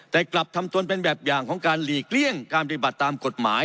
แต่กลับทำตนเป็นแบบอย่างของการหลีกเลี่ยงการปฏิบัติตามกฎหมาย